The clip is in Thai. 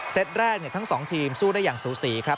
เซตแรกเนี่ยทั้งสองทีมสู้ได้อย่างสูสีครับ